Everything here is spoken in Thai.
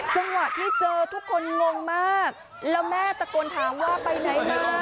จังหวะที่เจอทุกคนงงมากแล้วแม่ตะโกนถามว่าไปไหนมา